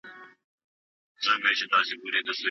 هوښيار له خطا عبرت اخلي